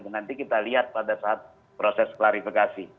nanti kita lihat pada saat proses klarifikasi